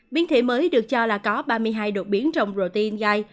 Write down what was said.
biến thể mới được cho là có ba mươi hai đột biến trong rotin gai